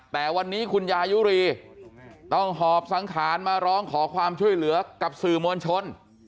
แต่วันนี้คุณยายุรีต้องหอบสังขารมาร้องขอความช่วยเหลือกับสื่อมวลชน